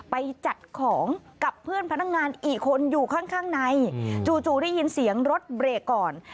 ไปจัดของกับเพื่อนพนักงานอีกคนอยู่ข้างในจู่ได้ยินเสียงรถเบรกก่อน